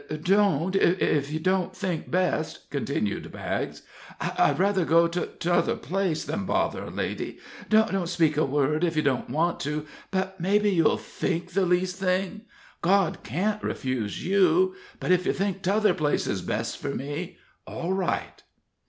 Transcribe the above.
"Don't, if you don't think best," continued Baggs. "I'd rather go to to t'other place than bother a lady. Don't speak a word, if you don't want to; but mebbe you'll think the least thing? God can't refuse you. But if you think t'other place is best for me, all right."